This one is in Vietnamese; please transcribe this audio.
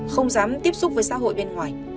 không dám tiếp xúc với xã hội bên ngoài